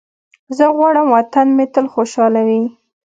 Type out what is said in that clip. زه غواړم وطن مې تل خوشحاله وي.